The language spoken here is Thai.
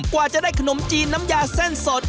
กว่าจะได้ขนมจีนน้ำยาเส้นสด